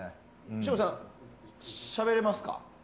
省吾さん、しゃべれますか？